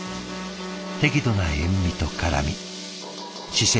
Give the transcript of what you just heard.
適度な塩味と辛み四川